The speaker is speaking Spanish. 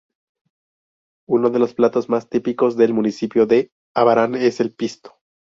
Uno de los platos más típicos del municipio de Abarán es el "pisto".